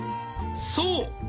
そう。